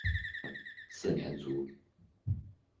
次年卒。